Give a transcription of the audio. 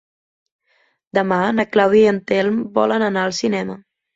Demà na Clàudia i en Telm volen anar al cinema.